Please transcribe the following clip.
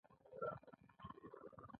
تولیدي ځواکونو د وخت په تیریدو پرمختګ کاوه.